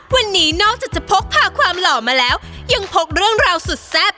วันนี้นอกจากจะพกพาความหล่อมาแล้วยังพกเรื่องราวสุดแซ่บ